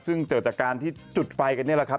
ซึ่งเกิดจากการที่จุดไฟกันนี่แหละครับ